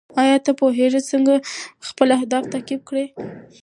ایا ته پوهېږې څنګه خپل اهداف تعقیب کړې؟